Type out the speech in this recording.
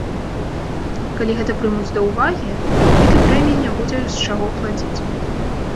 Калі гэта прымуць да ўвагі, дык і прэміі не будзе з чаго плаціць.